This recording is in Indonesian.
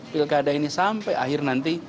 pilkada ini sampai akhir nanti